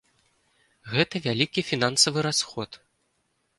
Гэта вялікі фінансавы расход.